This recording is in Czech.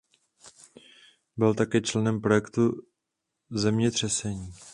Byl také členem projektu Zemětřesení.